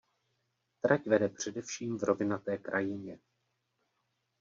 Trať vede především v rovinaté krajině.